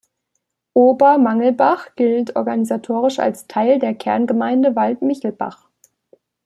Ober-Mengelbach gilt organisatorisch als Teil der Kerngemeinde Wald-Michelbach.